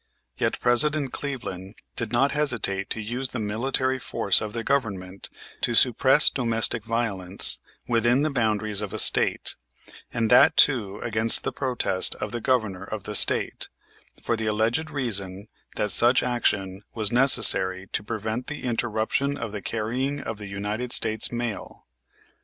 Yet President Cleveland did not hesitate to use the military force of the government to suppress domestic violence within the boundaries of a State, and that too against the protest of the Governor of the State, for the alleged reason that such action was necessary to prevent the interruption of the carrying of the United States mail.